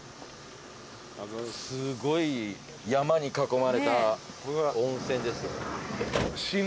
すごい山に囲まれた温泉。